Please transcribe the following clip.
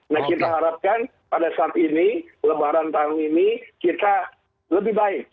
nah kita harapkan pada saat ini lebaran tahun ini kita lebih baik